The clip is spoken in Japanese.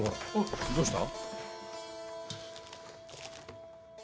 どうした？